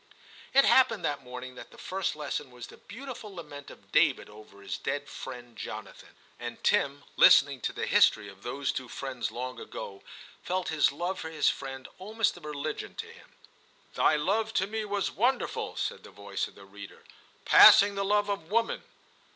It happened that morning that the first lesson was the beautiful lament of David over his dead friend Jonathan ; and Tim, listening to the history of those two friends long ago, felt his love for his friend almost a religion to him. *Thy love to me was wonderful,' said the voice of the reader, ' passing the love of woman.